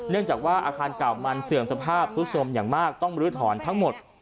เนื่องจากว่าอาคารเก่ามันเสื่อมสภาพสุดสมอย่างมากต้องลื้อถอนทั้งหมด